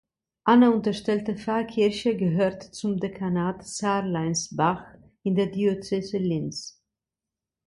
Anna unterstellte Pfarrkirche gehört zum Dekanat Sarleinsbach in der Diözese Linz.